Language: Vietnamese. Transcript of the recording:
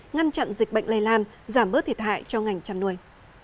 ngăn chặn dịch bệnh lây lan giảm bớt thiệt hại cho ngành chăn nuôi